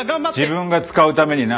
自分が使うためにな。